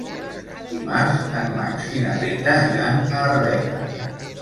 Dimarts en Max i na Rita iran a Arbeca.